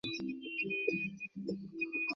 খাম্বীর মিশলেই ময়দা এক থেকে আর হয়ে দাঁড়ান।